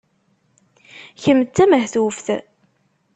Kemm d tamehtuft!